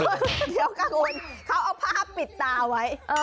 เดี๋ยวค่ะคุณเขาเอาภาพปิดตาไว้